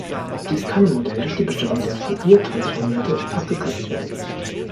Dies kann im Modell durch die Bestimmung der Fouriertransformierte abgekürzt werden.